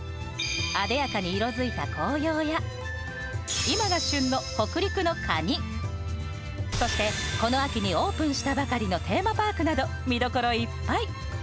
あでやかに色づいた紅葉や今が旬の北陸のカニ、そしてこの秋にオープンしたばかりのテーマパークなど見どころいっぱい。